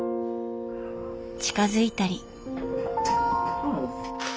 近づいたり。